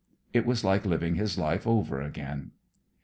It was like living his life over again.